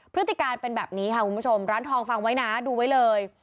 พฤติการเป็นแบบนี้ค่ะคุณผู้ชมร้านทองฟังไว้นะดูไว้เลย